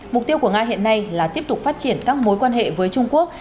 mục tiêu của nga hiện nay là tiếp tục phát triển các mối quan hệ với trung quốc